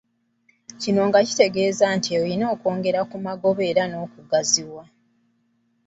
Kino kitegeeza nti erina okwongera ku magoba era n’okugaziwa.